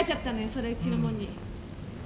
それうちの者に。